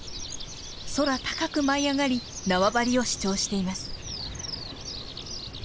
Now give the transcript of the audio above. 空高く舞い上がり縄張りを主張しています。